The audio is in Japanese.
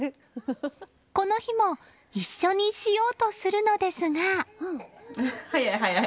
この日も一緒にしようとするのですが。